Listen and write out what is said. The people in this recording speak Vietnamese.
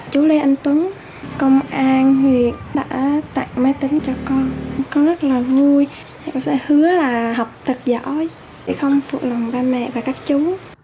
chú lê anh tuấn công an huyện đã tặng máy tính cho con con rất là vui con sẽ hứa là học tật giỏi để không phụ lòng ba mẹ và các chú